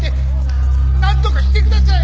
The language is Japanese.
「なんとかしてください！」